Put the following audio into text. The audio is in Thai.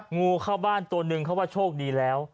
งูเข้าบ้านตัวนึงเขาว่าโชคดีแล้ว